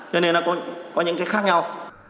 cho nên là có những cái khác nhau